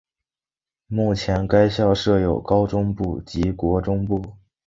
目前该校设有高中部及国中部。